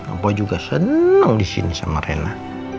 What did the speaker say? apa juga seneng disini sama rena